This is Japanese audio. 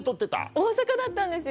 大阪だったんですよ。